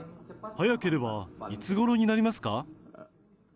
早ければいつごろになりますか。